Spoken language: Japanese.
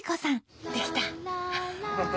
できた！